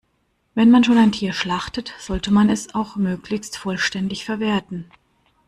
Wenn man schon ein Tier schlachtet, sollte man es auch möglichst vollständig verwerten.